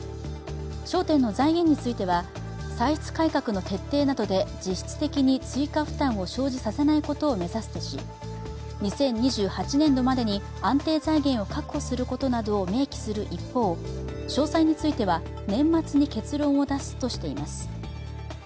焦点の財源については、歳出改革の徹底などで実質的に追加負担を生じさせないことを目指すとし、２０２８年度までに安定財源を確保することなどを明記する一方、詳細については年末に結論を出すとしています。